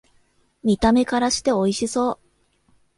見た目からしておいしそう